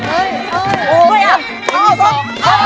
เออสอง